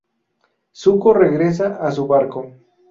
Zuko regresa a su barco.